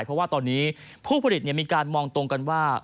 เพราะว่าตอนนี้ผู้ผลิตมีการมองตรงกันว่า